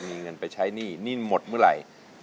มีเงินไปใช้หนี้หนี้หมดเมื่อไหร่